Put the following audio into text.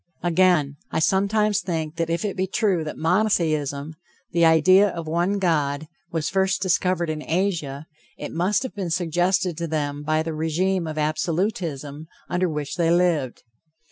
Again: I sometimes think that if it be true that monotheism, the idea of one God, was first discovered in Asia, it must have been suggested to them by the regime of Absolutism, under which they lived.